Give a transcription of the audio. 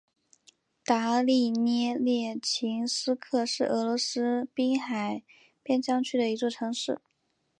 达利涅列琴斯克是俄罗斯滨海边疆区的一座城市。